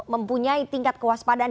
mempunyai tingkat kewaspadaan